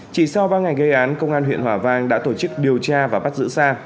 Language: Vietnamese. chỉ sau ba ngày gây án công an huyện hòa vang đã tổ chức điều tra và bắt giữ sa